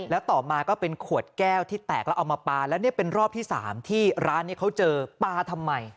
แล้วต่อมาก็เป็นขวดแก้วที่แตกแล้วเอามาปลาแล้วเนี่ยเป็นรอบที่๓ที่ร้านนี้เขาเจอปลาทำไม